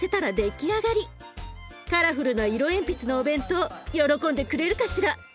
カラフルな色鉛筆のお弁当喜んでくれるかしら？